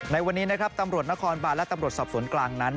ในวันนี้นะครับตำรวจนครบานและตำรวจสอบสวนกลางนั้น